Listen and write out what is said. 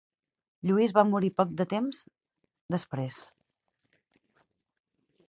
Lluís va morir poc de temps després.